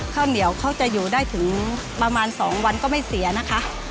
ข้าวเหนียวเขาจะอยู่ได้ถึงประมาณ๒วันก็ไม่เสียนะคะ